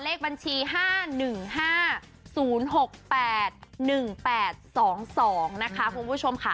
เลขบัญชี๕๑๕๐๖๘๑๘๒๒นะคะคุณผู้ชมค่ะ